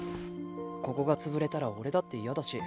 ここが潰れたら俺だって嫌だし。